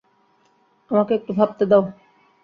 আমাকে একটু ভাবতে দাও।